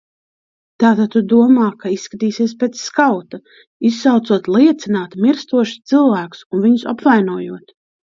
Tātad tu domā, ka izskatīsies pēc skauta, izsaucot liecināt mirstošus cilvēkus un viņus apvainojot?